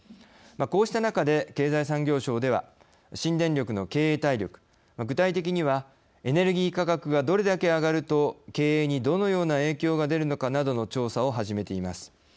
こうした中で経済産業省では新電力の経営体力具体的には、エネルギー価格がどれだけ上がると経営にどのような影響が出るのかなどの調査を始めています。